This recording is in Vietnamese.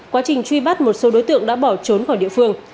quá trình truy bắt một số đối tượng đã bỏ trốn khỏi địa phương